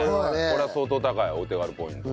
これは相当高いお手軽ポイント。